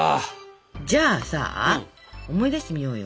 じゃあさ思い出してみようよ。